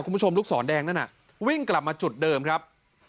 ลูกศรแดงนั่นน่ะวิ่งกลับมาจุดเดิมครับ